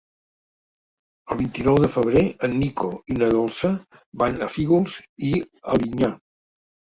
El vint-i-nou de febrer en Nico i na Dolça van a Fígols i Alinyà.